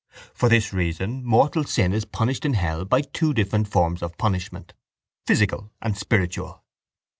For this reason mortal sin is punished in hell by two different forms of punishment, physical and spiritual.